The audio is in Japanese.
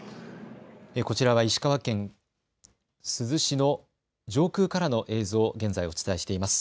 こちらは石川県珠洲市の上空からの映像、現在お伝えしています。